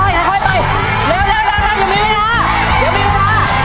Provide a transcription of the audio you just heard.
เร็วอย่ามีเวลา